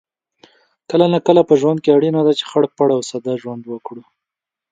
کله ناکله په ژوند کې اړینه ده چې خړ پړ او ساده ژوند وکړو